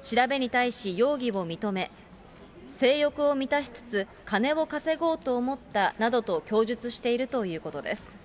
調べに対し、容疑を認め、性欲を満たしつつ、金を稼ごうと思ったなどと供述しているということです。